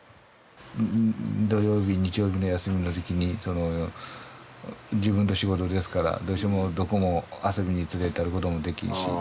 土曜日日曜日の休みのときに自分の仕事ですからどうしてもどこも遊びに連れてってやることもできんし。